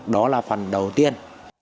đó là phần đầu tiên